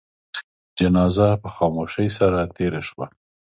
جنازه په خاموشی سره تېره شوه.